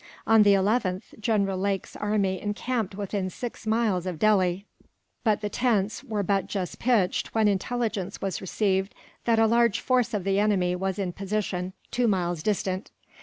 On the 11th, General Lake's army encamped within six miles of Delhi; but the tents were but just pitched when intelligence was received that a large force of the enemy was in position, two miles distant.